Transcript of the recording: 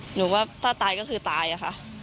หรือว่าถ้าตายก็คือตายค่ะ